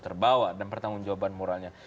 terbawa dan pertanggung jawaban moralnya